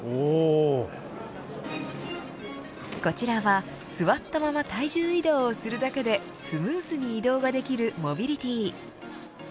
こちらは、座ったまま体重移動をするだけでスムーズに移動ができるモビリティ。